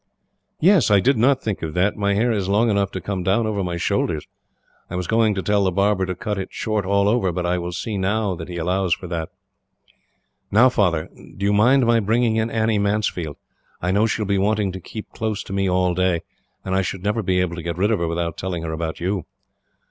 "Yes; I did not think of that. My hair is long enough to come down over my shoulders. I was going to tell the barber to cut it short all over, but I will see now that he allows for that." "Now, Father, do you mind my bringing in Annie Mansfield? I know she will be wanting to keep close to me all day, and I should never be able to get rid of her, without telling her about you."